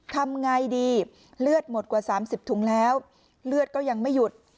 ทำไงดีเลือดหมดกว่า๓๐ถุงแล้วเลือดก็ยังไม่หยุด